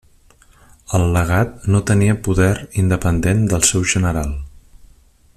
El legat no tenia poder independent del seu general.